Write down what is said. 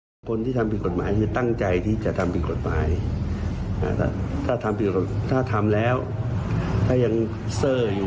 เห็นไหมเพราะฉะนั้นแต่ยังโง่อยู่ยังเซอร์อยู่